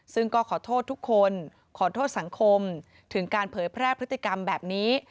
ซึ่งก็ขอโทษทุกคนขอโทษสังคมถึงการเผยแพร่พฤติกรรมแบบนี้